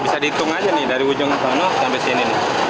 bisa dihitung aja nih dari ujung sana sampai sini